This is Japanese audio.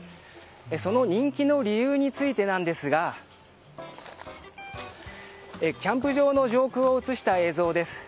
その人気の理由についてですがキャンプ場の上空を映した映像です。